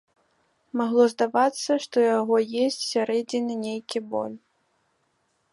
Магло здавацца, што яго есць з сярэдзіны нейкі боль.